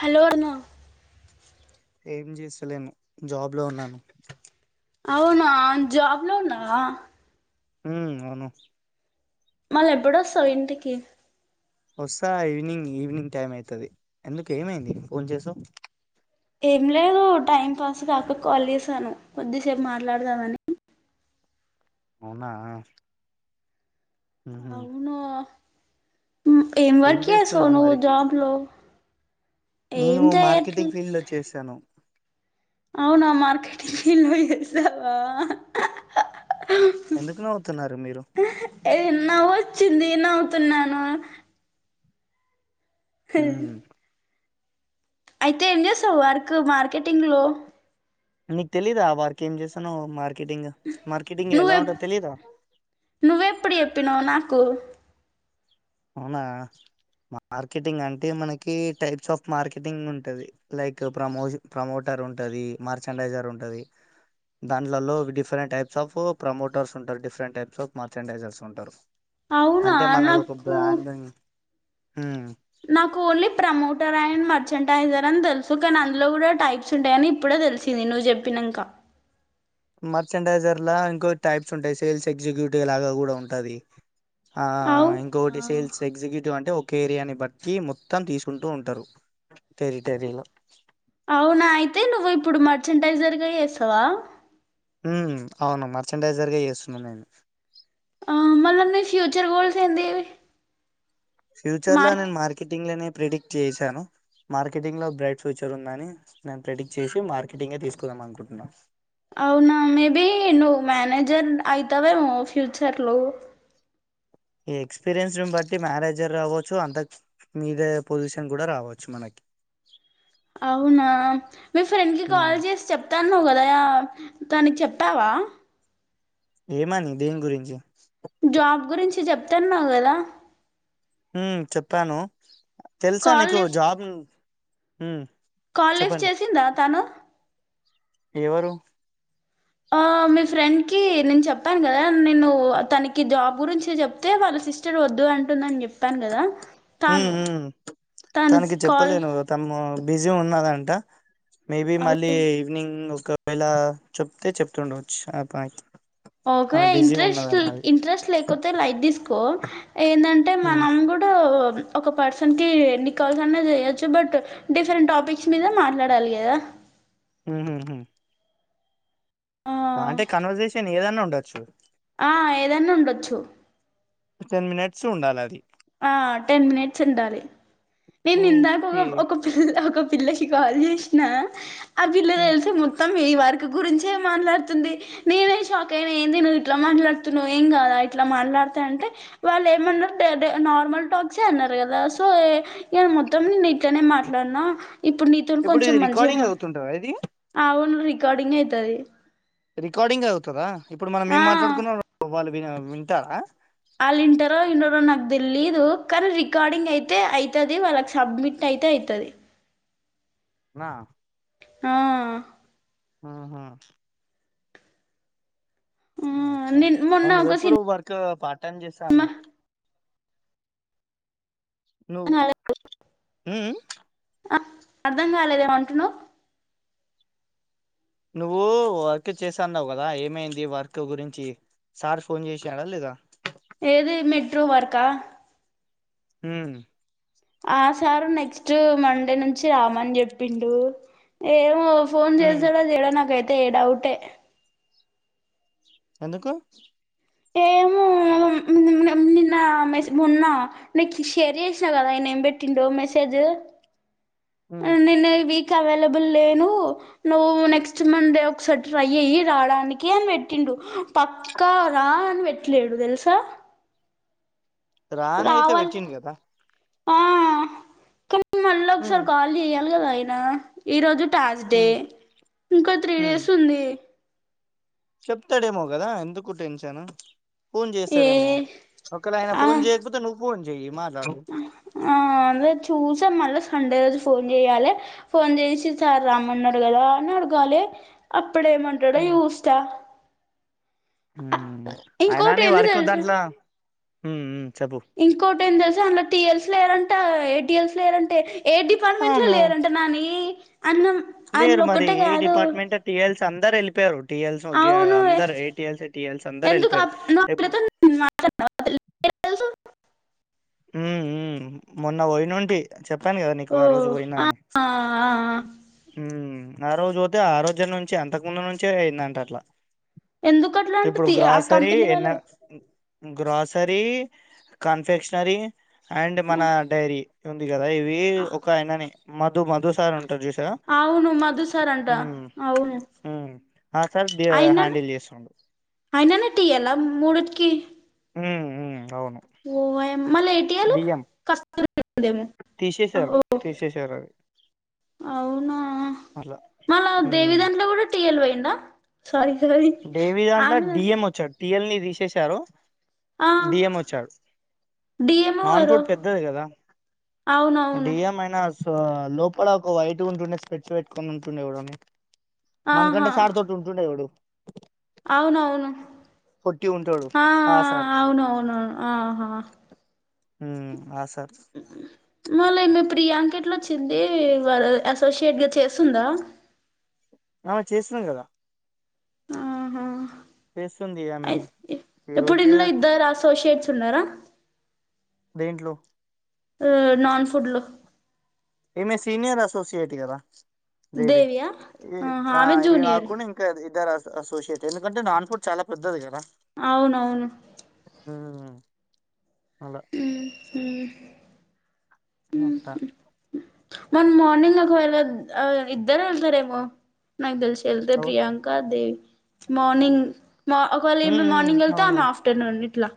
Hello అను ఏం చేస్తలేను job లో ఉన్నాన్ అవునా జాబ్ లో ఉన్నావా హు అవును మల్ ఎప్పుడొస్తావ్ ఇంటికి వోస్స ఈవినింగ్ ఈవినింగ్ టైం అయితది ఎందుకు ఏమైంది ఫోన్ చేసావ్ ఏం లేదు టైం పాస్ కాక కాల్ చేసాను కొద్దిసేపు మాట్లాడదామని అవునా ఉహు అవును ఏం వర్క్ ఏసవ్ చేస్తున్నావు నువ్వు మరి జాబ్ లో ఏం నేను చెయట్ల మార్కెటింగ్ ఫీల్డ్ లో చేశాను అవునా మార్కెటింగ్ ఫీల్డ్ లో చేసావా ఎందుకు నవ్వుతున్నారు మీరు ఏ నవ్వు వచ్చింది కే నవ్వుతున్నాను మ్మ్ అయితే ఏం చేస్తావ్ వర్కు మార్కెటింగ్ లో నీకు తెలీదా వర్క్ ఏం చేస్తానో మార్ కెటింగ్ మార్కెటింగ్ నువ్వె ఎలా ఉంటందో తెలియదా నువ్వెప్పుడు చెప్పినావు నాకు అవునా మార్కెటింగ్ అంటే మనకి టైప్స్ ఆఫ్ మార్కెటింగ్ ఉంటంది, లైక్ ప్రమో ప్రమోటర్ ఉంటంది, మర్చెండైజర్ ఉంటది, దాంట్లలో డిఫరెంట్ టైప్స్ ఆఫ్ ప్రమోటర్స్ ఉంటారు. డిఫరెంట్ టైప్స్ ఆఫ్ మర్చెండైజర్స్ ఉంటారు. అవునా అంటే నా మనది ఒక బ్రాండ్ ఉన్ హ్మ్ నాకు ఓన్లీ ప్రమోటర్ అండ్ మర్చంటైజర్ అని తెలుసు కానీ అందులో కూడా టైప్స్ ఉంటాయని ఇప్పుడే తెలిసింది నువ్వు చెప్పినాంక మర్చెండైజర్ లా ఇంకో టైప్స్ ఉంటాయి సేల్స్ ఎగ్జిక్యూటివ్ లాగా కూడా ఉంటాది ఆ అవు ఇంకోటి సేల్స్ ఎగ్జిక్యూటివ్ అంటే కేరియాని బట్టి మొత్తం తీసుకుంటూ ఉంటారు. టెరిటేరీలో మార్టైజర్ జెస్తావా ఉ అవును మర్చంటైజరుగా చేస్తున్నా నేను ఆ మల్ల మీ ఫ్యూచర్ గోల్స్ ఏంది ఫ్యూచర్ లో మార్క్ నేను మార్కెటింగ్ లోనే ప్రిడిక్ట్ చేసాను మార్కెటింగ్ లో బ్రైట్ ఫ్యూచర్ ఉందని నేను ప్రిడిక్ట్ చేసి మార్కెటింగే తీసుకుదాం అనుకుంటున్నాను అవునా మేబి నువ్వు మేనేజర్ అయితావేమో ఫ్యూచర్ లో ఎ ఎక్స్పీరియన్స్ ను బట్టి మేనేజర్ రావచ్చు అంత మీదే పొజిషన్ కూడా రావచ్చు మనకి అవునా మీ ఫ్రెండ్ కి ఉమ్ కాల్ చేసి చెప్తా అన్నావు కదా తనకి చెప్పావా ఏమని దేని గురించి జాబ్ గురించి చెప్తన్నావ్ కదా ఉ చెప్పాను తెలుసా కాల్ నీకు లిఫ్ట్ జాబ్ ను హు కాల్ లిఫ్ట్ చేసిందా తను ఎవరు ఆ మీ ఫ్రెండ్ కి నేను చెప్పాను కదా నేను తనకి జాబ్ గురించి చెప్తే వాళ్ళ సిస్టర్ వద్దు అంటుందని చెప్ చెప్పాను కదా తాను ఉమ్ ఉమ్ తాను తనకి కాల్ చెప్పలేను తను బిజీ ఉన్నదంట మేబి మళ్ళీ ఈవినింగ్ వస్ ఒక వేలా చెప్తే చెప్తుండవచ్చు ఆ పా ఓకే ఇంట్రెస్ట్ ఇంట్రెస్ట్ లేకపోతే లైట్ తీసుకో ఏందంటే ఉమ్ మనం కూడా ఒక పర్సన్ కి ఎన్నికాల్స్ అన్న చేయొచ్చు బట్ డిఫరెంట్ టాపిక్స్ మీద మాట్లాడాలి కదా ఉహుహు ఆ! అంటే కన్వర్సేషన్ ఏదన్నా ఉండ చ్చు ఆ ఏదన్న ఉండొచ్చు టెన్ మినిట్స్ ఉండాల అది ఆ టెన్ మినిట్స్ ఉండాలి నేను ఇందాక ఒక ఓకే ఒక పిల్ల ఒక పిల్లకి కాల్ చేసిన ఆ పిల్ల ఉమ్ తెల్సా మొత్తం మీ వర్క్ గురించే మాట్లాడుతుంది నేనే షాక్ అయినా ఏంది నువ్వు ఇట్లా మాట్లాడుతున్నావ్ ఏం కాదా ఇట్లా మాట్లాడితే అంటే వాళ్ళు ఏమన్నారు నార్మల్ టాక్సే అన్నారు కదా సో ఏ ఇగ మొత్తం నేను ఇట్లనే మాట్లాడినా ఇప్పుడు నీతోని ఇప్పుడు కొంచెం ఇది మంచిగా రికార్డింగ్ మా అవుతుంటదా ఇది ఆవునురీ రికార్డింగే అయితాది రికార్డింగ్ అవుతదా ఇప్పుడు మనం ఏం మాట్లాడుకున్నామొ వాళ్ళు వినరు మింటావా ఆల్ వింటారో విన్నారో నాగ్ తెలీదు కానీ రికార్డింగ్ అయితే అయ్తాది వాళ్ళకి సబ్మిట్ అయితే అయ్తాది నా ఆ ఉహ్మ్ ఆ చ్చ నేను మొన్న ఆమెది ఒక సినిమా ఎప్పుడు వర్క పార్ట్ టైం జెస్తా అమ్మా అన్నావ్ నువ్ కాలే హు మ్మ్ ఆ అర్ధం కాలేదేమంటున్నావ్ నువ్వు వర్క్ చేసన్నావ్ కదా ఏమైంది వర్క్ గురించి సార్ ఫోన్ చేసాడా లేదా ఏది మెట్రో వార్కా హ్మ్ ఆ సారు నెక్స్ట్ మండే నుంచి రామని చెప్పిండు ఏమో ఫోన్ ఉమ్ చేసడో చేయడో నాకైతే తే డౌటే ఎందుకు ఏమో నిన్ నిన్న మొన్న నీకు షేర్ చేసినా కదా ఆయన ఏం పెట్టిండో మెసేజ్, మ్మ్ క్ అవైలబుల్ లేను నువ్వు నెక్స్ట్ మండే ఒకసారి ట్రై చే రాడానికి అని పెట్టిండు పక్కా రా అని పెట్టలేడు తెలుసా, రాని అయితే రావాలి వచ్చింది కదా మల్ల ఉమ్ ఒక్కసారి కాల్ జేయ ఉండదయినా ఈ రోజు థార్స్డే ఉమ్ ఇంకా త్రీ ఉమ్ డేస్ ఉంది చెప్తాడేమో కదా ఎందుకు టెన్షన్ ఫోన్ ఏ చేస్సాడేమో ఒకవేళ ఆయన ఆ ఫోన్ చేయకపోతే నువ్వు ఫోన్ [unintelligible] ఆ అందు చూసా మళ్ళా సండే రోజు ఫోన్ చేయాలే, ఫోన్ చేసి సారు రామన్నాడు కదా అని అడగాలె అ ఇప్పుడేమంటడో యూస్త మ్మ్ అయినా ఇంకోటి నీ ఏంది వరకు తెలుసా దాంట్లో మ్మ్ హ్మ్ ఇంకోటి ఏంది తెలుస అందులో టియల్స్ లేరంట ఏ టిఎల్స్ లేరంటే ఏ డిపార్ట్మెంట్లో అవును లేరంట నాని అన్నం లేరు అందులో మరి ఒక్కటే ఈ కాదు డిపార్ట్మెంట్ టీఎల్స్ అందరు ఎళ్ళిపోయారు టీఎల్స్ ఒకే అవును అందరు ఏటిఎల్స్ టిఎల్స్ అందరు ఎందుకు ఎల్లిపోయారు అప్ నువ్వు అతనితో తెలుసు ఊ ఊ మొన్న పోయినోంటి చెప్పాను కదా నీకు ఓ ఆ రోజు పోయినా అని. ఆ ఊ ఆ రోజు పోతే ఆ రోజు నుంచి అంతకు ముందు నుంచే అయిందంట అట్ల. ఎందుకట్లాంటూ తీ ఆ కంపెనీ ఎన్న వాళ్ళే గ్రాసరీ కన్ఫెక్షనరీ అండ్ మన డైరీ. ఉంది. కదా ఇవి ఒక అయననే మత్ దూ మధు సార్ ఉంటారు చూసీ అవును మధుసారంట అవును ఉమ్ ఆ సార్ అయనన్ హ్యాండిల్ చేస్తుండు అయననే టీ ఇయ్యాల మూడిట్కి ఈ ఊ ఊ అవును. డి ఎం చెప్పదేమో ఓ తీసేశారు అది అవునా అట్లా మల్ల దేవి దాంట్లో కూడా టీయల్ వై ఉందా దేవి దాంట్లో డి ఎం వచ్చారు టీఎల్ ని తీసేశారు. ఆ డిఎం వచ్చాడు డిఎంఓ నాన్ ఎవరు ఫుడ్ పెద్దది కదా అవునవును డిఎం అయినా స్ సో లోపల ఒక వైట్గా ఉంటుండే స్పెట్స్ పెట్టుకొని ఉంటుండే ఎవడన్ మనకంట సార్ తోటి ఉంటూండే ఎవడు అవును అవును. పొట్టి ఉంటాడు ఆ సార్ అవునువును ఆహా! ఊ ఆ సార్ ఉ మళ్ళ ఈమె ప్రియాంక ఎట్లచ్చింది. వాళ అసోసియేట్ గా చేస్తుందా ఆమె చేస్తుంది కదా ఆహా! చేస్తుంది ఆమె అయితే ఈ ఇప్పుడు రోజు ఇందులో ఇద్దరు అసోసియేట్స్ తిన్నారా దేంట్లో ఆ నాన్ ఫుడ్ లో ఈమె సీనియర్ అసోసియేట్ కదా దేవి దేవియా ఆహా ఆమె ఈమే జూనియర్ కాకుండా, ఇంకా ఇద్దరు వస్త అసోసియేట్ ఎందుకంటే నాన్ పూర్ చాలా పెద్దది కదా. అవునవును మ్మ్ అలా ఉమ్ ఇగా అట్ల మరి మార్నింగ్ నాకు ఏలోద్, ఇద్దరు వెళ్తారేమో నాకు తెలిసీ. ఏళ్తే అవు ప్రియాంకా దేవి మార్నింగ్ మా ఒకవేళ ఉమ్ ఏమే ఉమ్ మార్నింగ్ వెళ్తే, అవును ఆమె ఆఫ్టర్నూన్ ఇట్లా.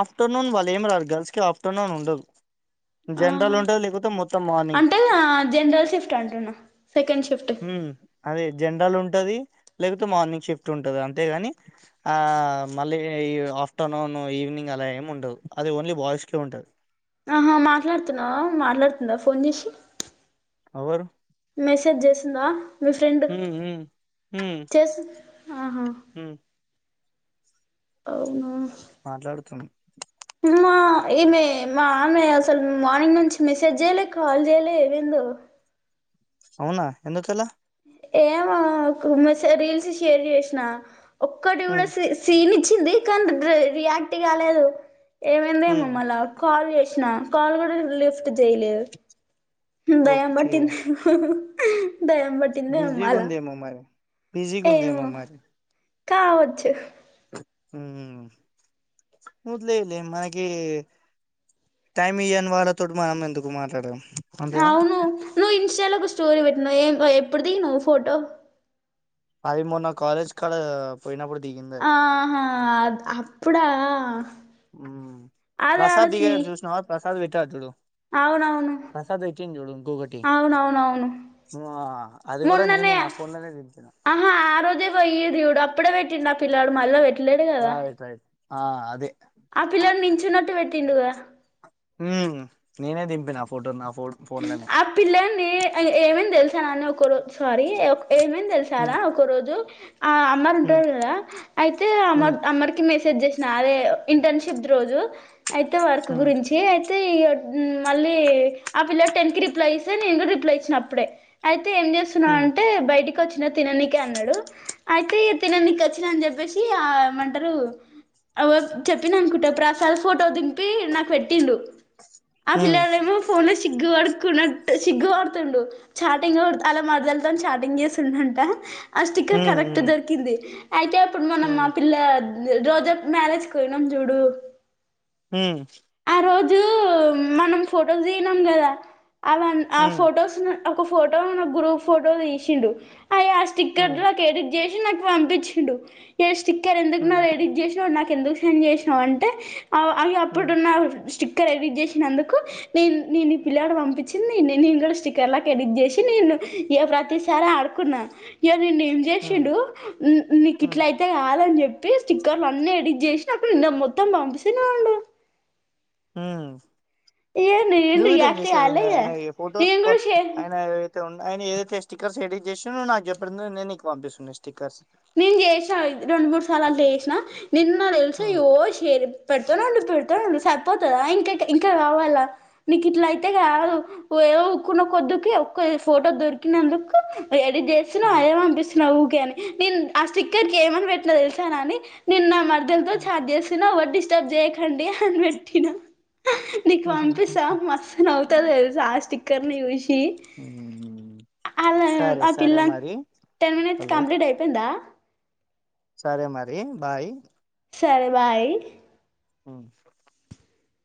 ఆఫ్టర్నూన్ వాళ్లు ఏం రారు. గర్ల్స్‌కి ఆఫ్టర్నూన్ ఉండదు. జనరల్ ఆహా.. ఉంటది లేకపోతే మొత్తం మార్నింగ్ అంటే జనరల్ షిఫ్ట్ అంటున్నా. Second shift. ఉమ్, అదే జనరల్ ఉంటది. లేకపోతే మార్నింగ్ షిఫ్ట్ ఉంటంది అంతే గాని, ఆ మళ్లీ ఈ ఆఫ్టర్నూన్ ఈవెనింగ్ ఈవెనింగ్ అలా ఏం ఉండదు. అది ఓన్లీ బాయ్సకే ఉంటది. ఆహా మాట్లాడుతున్నావా? మాట్లాడుతుందా ఫోన్ జేసీ? ఓవారు? మెసేజ్ జేసిందా? మీ ఫ్రెండ్ చేస్తోందా? ఆహా. అవునా? మాట్లాడుతున్నా. తినుమా, ఈమె మా ఆమె అసలు మార్నింగ్ నుంచి మెసేజ్ జేయలే, కాల్ జేయలే, ఏమందో. అవునా? ఎందుకలా? ఏమో, ఒక మెసేజ్ రీల్స్ షేర్ చేసిన. ఒక్కటి కూడా ఉమ్, సీ సి నిచ్. వచ్చింది కానీ దాదిరీ రియాక్ట్ కాలేదు. ఏమైంది ఏమో, ఉమ్, మల్లా కాల్ చేసి చేసిన కాల్ కూడా లిఫ్ట్ చేయలేదు. దెయ్యం ఓకే బట్టిందేమో. హు. దెయ్యం బిజీ గూందేమో మరి, బిజీ గూందేమో ఏమో మరి. కావచ్చు. మ్మ్.. వదిలేయిలే, మనకి టైమ్ ఇయ్వని వాళ్ళతోటి మనం ఎందుకు మాట్లాడం. అవును నువ్ ఇన్స్టాలో ఒక స్టోరి పే నీవు ఏం, ఎప్పుడు దిగినవు ఫోటో? అది మొన్న కాలేజ్ కాడ పోయినప్పుడు దిగింది అది ఆహా అ అప్పుడా? అదే ప్రసాద్ ఆడసి దిగినాడు చూసినవా ప్రసాద్ ఫోటోలు పెట్టినా చూడు అవునవును ప్రసాద్ పెట్టిండు చూడు ఇంకొకటి అవునవునవును ఆ అది కూడా నేనే మొన్ననే నా ఫోన్ లోనే దింపిన ఆహా ఆ రోజే పోయిన్రు చూడు అప్పుడే పెట్టిండు పిల్లాడు మల్లా పే రా ఇటుర ఆ అదే ఆ పిల్లలు నించున్నట్ పెట్టిండు గా మ్మ్ నేనే దింపిన ఆ ఫోటో నా ఫో ఫోన్ లోనే ఆ పిల్లల్ని ఏ ఏమైంది తెలుస్ సని ఒక రో సారీ ఏమేంది తెలుసారా మ్మ్ ఒక రోజు ఆ అమర్ ఉంటారు కదా అయితే మ్మ్ అమర్ అమ్మర్కి మెసేజ్ జేస్ నాదే ఇంటర్న్షిప్ రోజు అయితే వర్క్ గురించి అయితే మళ్ళీ ఆ పిల్ల టెన్ కి రిప్లై ఇస్తే నేను కూడా రిప్లై ఇచ్చిన అప్పుడే అయి అయితే ఏం చేస్తున్నా మ్మ్ అంటే బయటికి వచ్చిన తిననికి అన్నాడు. అయితే తిననీకి వచ్చిన అని చెప్పేసి ఆ ఏమంటారు అ చెప్పిన అనుకుంట ప్రసాద్ ఫోటో దింపి నాకు పెట్టిండు. ఆ మ్మ్ పిల్లలేమో సిగ్గు పడుకున్నట్టు సిగ్గు పడుతుండు చాటింగు ఆళ్ళ మరదలతోని చాటింగ్ చేస్తుండంట ఆ స్టిక్కర్ కరెక్ట్ మ్మ్ దొరికింది అయితే అప్పుడు మనం మా మ్మ్ పిల్ల రోజా మ్యారేజ్ కొయినం చూడు హ్మ్ ఆ రోజు మనం ఫోటోస్ దిగినం కదా అవన్ ఆ మ్మ్ ఫొటోస్ను ఒక ఫోటో నా గ్రూప్ ఫోటో తీసిండు ఐ ఆ మ్మ్ స్టిక్కర్లో [inaudible] చేసి నాకు పంపిచిండు ష్ స్టిక్కర్ ఎందుకు మ్మ్ నాది ఎడిట్ చేసినవ్ నా ఎందుకు సెండ్ చేసినవ్ అంటే ఆ మ్మ్ మ్మ్ ఇపుడున్నవ్ స్టిక్ స్టిక్కర్ ఎడిట్ చేసినందుకు నేను నేను ఈ పిల్లాడు వంపించింది నేను కూడా స్టిక్కర్ లా ఎడిట్ చేసి నేను ప్రతిసారి ఆడుకున్నా. ఏ నిన్న ఏం మ్మ్ మ్మ్ చేసిండు నీ మ్మ్ నీకిట్లయితే కాదని చెప్ పే స్టిక్కర్లు అన్నీ ఎడిట్ చేసిన అప్పు నిన్న మొత్తం పంపిస్తునే ఉండే హుమ్మ్ ఏ నేను న్యూ వేం మీరు రియాక్ట్ కాలే చేసేదుండే ఇగ ఆయన ఫొటోస్ నేను అబ్బా కూడా షేర్ ఆయన ఐతే ఉన్ ఆయన ఏదైతే స్టిక్కర్స్ ఎడిట్ చేసా నాకు చెప్పడు నే నీకు పంపిస్తున్నా స్టిక్కర్స్ నేను చేసా ఇది రెండు మూడు సార్లు అట్లా చేసినా నిన్న తెలుసా హ్మ్, ఎవరు సెయ్యర్ పెడతానే ఉంది పెడతానే ఉంది సరిపోతదా ఇంకా ఇంకా కావాలా నీకు ఇట్లా అయితే కాదు ఏదో ఊకున్న కొద్దికీ ఒక్క ఫోటో దొరికినందుకు ఎడిట్ చేస్తున్న హ్మ్, అదే పంపిస్ నవుకనే నేను ఆ స్టిక్కర్ కి ఏమని వెట్టినా తెలిసా నాని నిన్న మ దల్ తో హ్మ్, చాట్ చేస్తున్న వద్దు డిస్టర్బ్ చేయకండి అని పెట్టినా నీకు హ్మ్, హ్మ్, పంపిస్తా హ్మ్, మస్తు నవుతాది తెలుసా ఆ స్టిక్కర్ ని చూసి హ్మ్. అలా సరే ఆ సరే పిల్ల మరి టెన్ మినిట్స్ హలో కంప్లీట్ అయిపో వుందా సరే మరి బాయ్ సరే బాయ్ అ